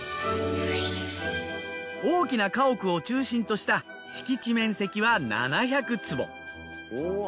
大きな家屋を中心とした敷地面積は７００坪。